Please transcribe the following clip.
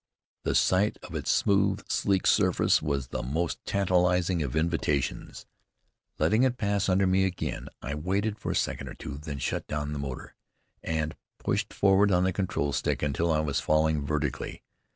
The sight of its smooth, sleek surface was the most tantalizing of invitations. Letting it pass under me again, I waited for a second or two, then shut down the motor, and pushed forward on the control stick until I was falling vertically.